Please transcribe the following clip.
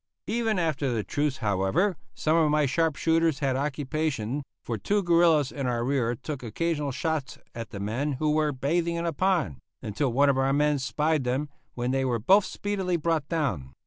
Even after the truce, however, some of my sharp shooters had occupation, for two guerillas in our rear took occasional shots at the men who were bathing in a pond, until one of our men spied them, when they were both speedily brought down.